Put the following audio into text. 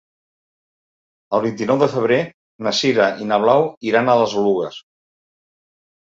El vint-i-nou de febrer na Sira i na Blau iran a les Oluges.